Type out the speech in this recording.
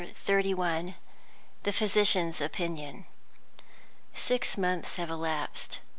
CHAPTER XXXI. THE PHYSICIAN'S OPINION. SIX months have elapsed.